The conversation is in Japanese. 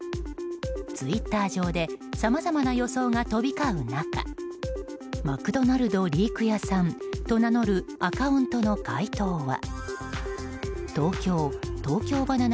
ツイッター上でさまざまな予想が飛び交う中マクドナルド＠リーク屋さんと名乗る、アカウントの回答は東京・東京ばな